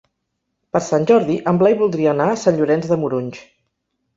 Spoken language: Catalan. Per Sant Jordi en Blai voldria anar a Sant Llorenç de Morunys.